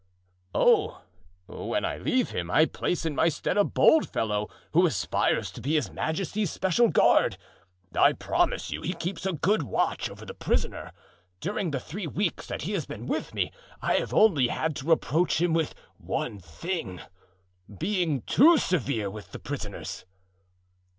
"Oh! when I leave him, I place in my stead a bold fellow who aspires to be his majesty's special guard. I promise you he keeps a good watch over the prisoner. During the three weeks that he has been with me, I have only had to reproach him with one thing—being too severe with the prisoners."